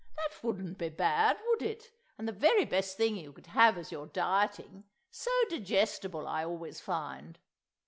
That wouldn't be bad, would it? and the very best thing you could have as you're dieting; so digestible, I always find.